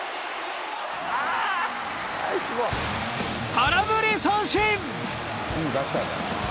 空振り三振。